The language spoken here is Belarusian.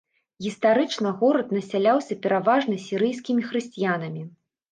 Гістарычна горад насяляўся пераважна сірыйскімі хрысціянамі.